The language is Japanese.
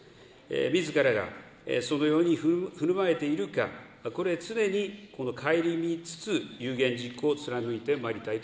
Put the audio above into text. みずからがそのようにふるまえているか、これ、常にかえりみつつ有言実行を貫いてまいりたいと。